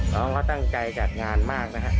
น้องเขาตั้งใจจัดงานมากนะฮะ